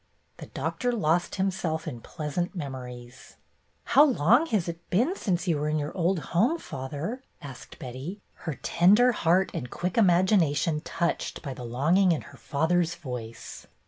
The Doctor lost himself in pleasant mem ories. "How long has it been since you were in your old home, father?" asked Betty, her tender heart and quick imagination touched by the longing in her father's voice.